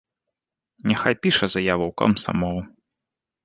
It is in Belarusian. Няхай піша заяву ў камсамол.